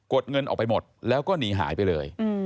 ดเงินออกไปหมดแล้วก็หนีหายไปเลย